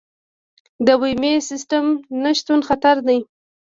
د بیمې سیستم نشتون خطر دی.